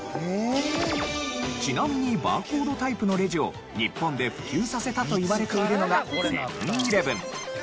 ちなみにバーコードタイプのレジを日本で普及させたといわれているのがセブン−イレブン。